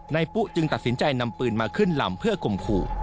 ปุ๊จึงตัดสินใจนำปืนมาขึ้นลำเพื่อข่มขู่